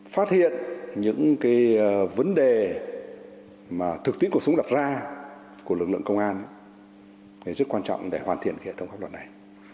phát hiện những vấn đề mà thực tiễn cuộc sống đặt ra của lực lượng công an rất quan trọng để hoàn thiện hệ thống pháp luật này